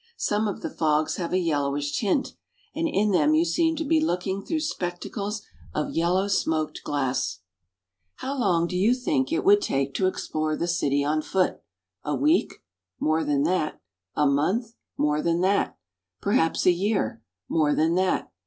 Some of the fogs have a yellowish tint, and in them you seem to be looking through spectacles of yellow smoked glass. How long do you think it would take to explore the city on foot ? A week ? More than that. A month ? More than that. Perhaps a year ? More than that.